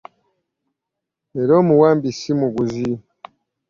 Era omuwambi si muguzi.